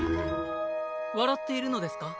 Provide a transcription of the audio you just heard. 笑っているのですか？